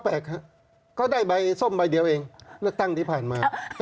ก็แปลกครับก็ได้ใบส้มใบเดียวเองตั้งที่ผ่านมา